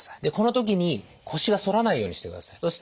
でこの時に腰が反らないようにしてください。